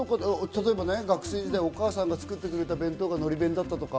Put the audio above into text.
例えば学生時代、お母さんが作ってくれた弁当がのり弁だったりとか。